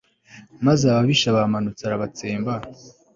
maze ababisha bamanutse, arabatsemba